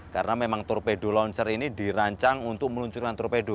karena memang torpedo launcher ini dirancang untuk meluncurkan torpedo